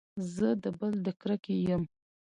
زه د بل د کرکې يم.